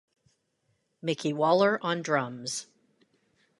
Micky Waller on drums.